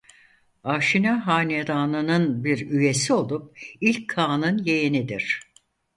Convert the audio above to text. Aşina hanedanının bir üyesi olup İl Kağan'ın yeğenidir.